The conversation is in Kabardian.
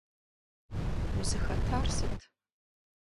Узыхэтар сыт?